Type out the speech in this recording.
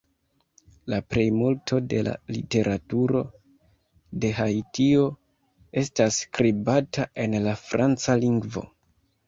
La plejmulto de la literaturo de Haitio estas skribata en la franca lingvo.